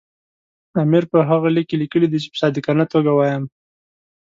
امیر په هغه لیک کې لیکلي دي چې په صادقانه توګه وایم.